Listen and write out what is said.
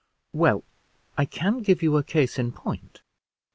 "Well, I can give you a case in point.